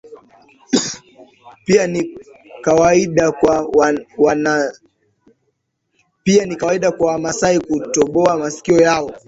Pia ni kawaida kwa wamasai kutoboa masikio yao